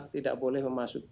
tidak boleh memasukkan